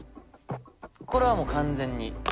これはもう完全に。